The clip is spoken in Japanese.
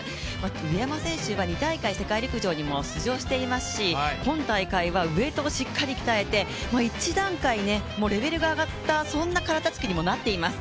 上山選手は、２大会世界陸上にも出場していますし今大会はウエイトをしっかり鍛えて一段階、レベルが上がった、そんな体つきにもなっています。